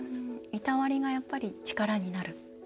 いたわりがやっぱり力になる？